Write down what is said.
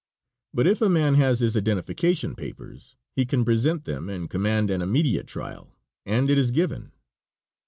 But if a man has his identification papers he can present them and command an immediate trial, and it is given.